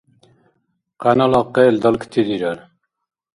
Къянала къел далкӀти дирар.